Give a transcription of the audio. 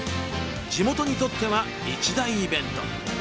地元にとっては一大イベント。